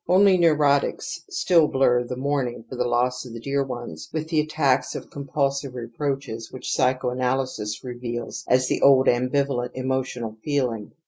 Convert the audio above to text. ^ Only neurotics stillNblur the mourning for the loss of their dear ones Jvith attacks of com pulsive reproaches which psychoanalysis reveals as the old ambivalent emotional feeUng.